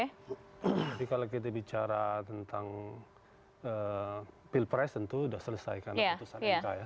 jadi kalau kita bicara tentang pilpres tentu sudah selesai karena keputusan mk ya